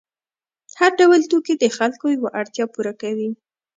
هر ډول توکي د خلکو یوه اړتیا پوره کوي.